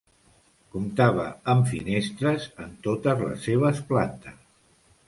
Comptava amb finestres en totes les seves plantes.